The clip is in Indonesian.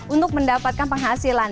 untuk mendapatkan penghasilan